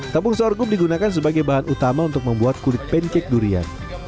tepung sorghum digunakan sebagai bahan utama untuk membuat kulit pancake durian